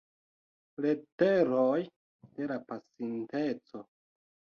Leteroj de la Pasinteco.